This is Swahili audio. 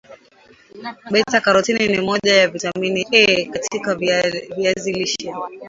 beta karotini ni moja ya vitamini A katika viazi lishe